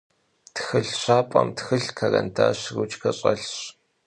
Txılh şap'em txılh, kherendaş, ruçke ş'elhş.